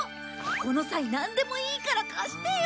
この際なんでもいいから貸してよ！